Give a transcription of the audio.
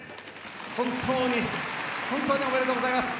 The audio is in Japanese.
本当に本当におめでとうございます。